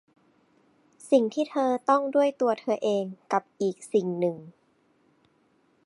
สิ่งที่เธอต้องด้วยตัวเธอเอง กับอีกสิ่งหนึ่ง